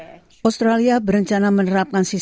itulah sebabnya pendidikan dan perlindungan awal kecil